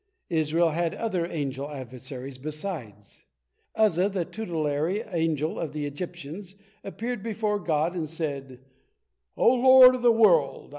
Israel had other angel adversaries, besides. Uzza, the tutelary Angel of the Egyptians, appeared before God, and said, "O Lord of the world!